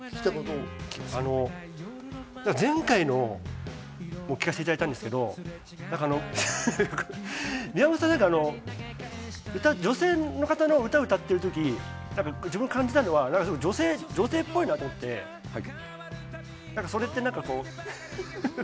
前回も聴かせていただいたんですけど、宮本さん、なんか女性の方の歌を歌ってる時、自分が感じたのは女性っぽいなと思って、それって何か。